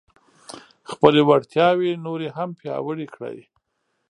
خپلې وړتیاوې نورې هم پیاوړې کړئ.